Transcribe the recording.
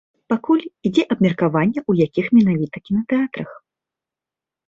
Пакуль ідзе абмеркаванне, у якіх менавіта кінатэатрах.